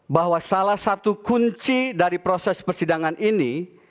bahwa salah satu kunci dari proses persidangan ini